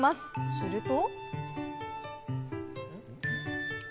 すると。